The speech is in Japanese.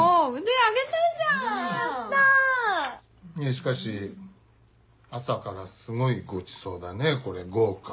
しかし朝からすごいごちそうだねこれ豪華。